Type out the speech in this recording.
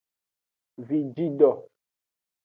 Vijido.